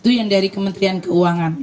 itu yang dari kementerian keuangan